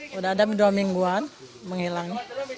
sudah adam dua mingguan menghilang